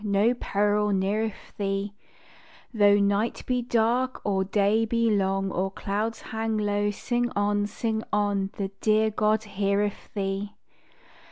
No peril neareth thee; Tho night be dark or day be long, Or clouds hang low, sing on, sing on, The dear God heareth thee.